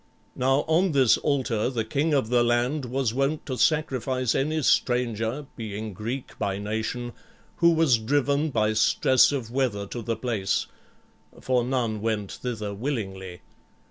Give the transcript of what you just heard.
Now on this altar the king of the land was wont to sacrifice any stranger, being Greek by nation, who was driven by stress of weather to the place, for none went thither willingly.